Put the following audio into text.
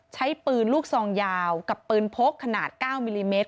ใช้ปืนลูกซองยาวกับปืนพกขนาด๙มิลลิเมตร